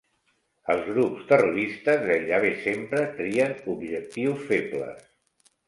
Els grups terroristes gairebé sempre trien objectius febles.